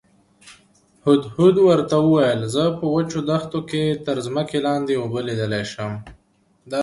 هدهد ورته وویل زه په وچو دښتو کې تر ځمکې لاندې اوبه لیدلی شم.